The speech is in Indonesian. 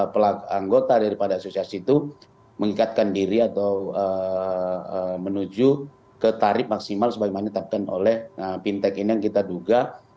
pelaku anggota daripada asosiasi itu mengikatkan diri atau menuju ke tarif maksimal sebagaimana ditetapkan oleh fintech ini yang kita duga